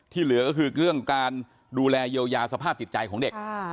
เหลือก็คือเรื่องการดูแลเยียวยาสภาพจิตใจของเด็ก